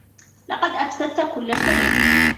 لقد أفسدت كل شيء.